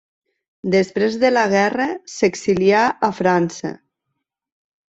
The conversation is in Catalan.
Després de la guerra s'exilià a França.